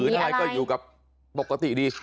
คือทุบทุบอยู่กับปกติดี